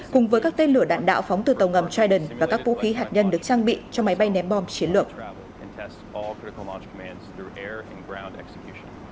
cùng với các tên lửa đạn đạo phóng từ tàu ngầm triden và các vũ khí hạt nhân được trang bị cho máy bay ném bom chiến lược